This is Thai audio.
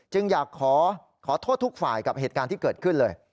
อยากขอโทษทุกฝ่ายกับเหตุการณ์ที่เกิดขึ้นเลย